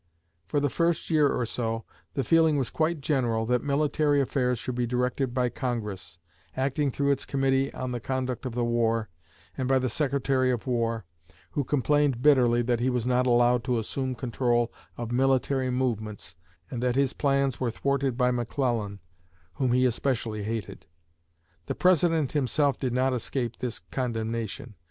For the first year or so the feeling was quite general that military affairs should be directed by Congress, acting through its Committee on the Conduct of the War, and by the Secretary of War, who complained bitterly that he was not allowed to assume control of military movements and that his plans were thwarted by McClellan (whom he especially hated). The President himself did not escape this condemnation.